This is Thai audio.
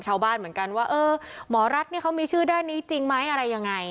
ชาวบ้านเหมือนกันว่าเออหมอรัฐนี่เขามีชื่อด้านนี้จริงไหมอะไรยังไง